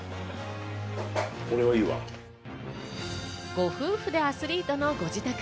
ご夫婦でアスリートのご自宅。